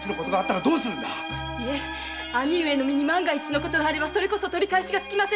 いえ兄上に万が一の事があればそれこそ取り返しがつきません。